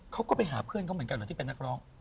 เขาก็ไปหาเพื่อนเขาเหมือนกันเหรอที่เป็นนักร้อง